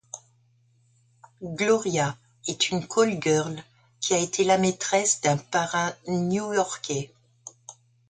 Gloria est une call-girl qui a été la maîtresse d'un parrain new-yorkais.